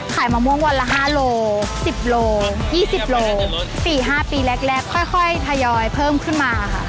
มะม่วงวันละ๕โล๑๐โล๒๐โล๔๕ปีแรกค่อยทยอยเพิ่มขึ้นมาค่ะ